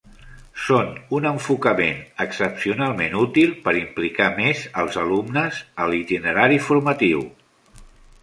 Són un enfocament excepcionalment útil per implicar més els alumnes a l'itinerari formatiu.